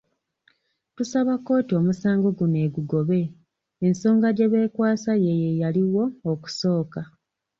Tusaba kkooti omusango guno egugobe, ensonga gye beekwasa yeeyo eyaliwo okusooka.